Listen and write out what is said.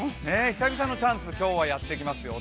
久々のチャンス、今日はやってきますよ。